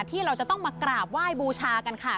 ที่เราจะต้องมากราบไหว้บูชากันค่ะ